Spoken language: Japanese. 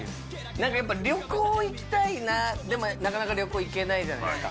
何かやっぱ旅行行きたいなでもなかなか旅行行けないじゃないですか